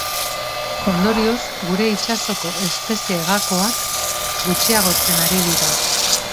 Ondorioz, gure itsasoko espezie gakoak gutxiagotzen ari dira.